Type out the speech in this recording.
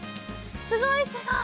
すごいすごい！